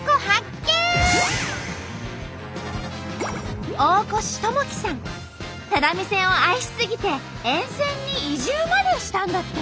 只見線を愛し過ぎて沿線に移住までしたんだって。